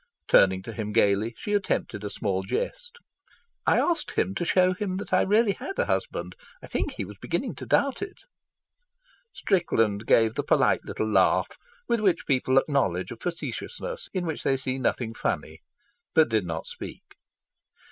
Turning to him gaily, she attempted a small jest. "I asked him to show him that I really had a husband. I think he was beginning to doubt it." Strickland gave the polite little laugh with which people acknowledge a facetiousness in which they see nothing funny, but did not speak.